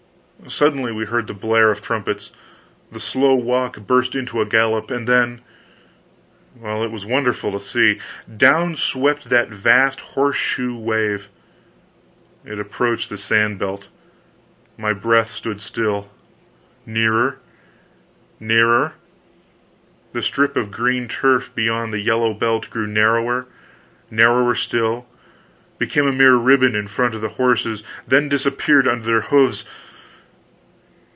Suddenly we heard the blare of trumpets; the slow walk burst into a gallop, and then well, it was wonderful to see! Down swept that vast horse shoe wave it approached the sand belt my breath stood still; nearer, nearer the strip of green turf beyond the yellow belt grew narrow narrower still became a mere ribbon in front of the horses then disappeared under their hoofs.